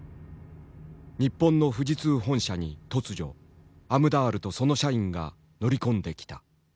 日本の富士通本社に突如アムダールとその社員が乗り込んできた。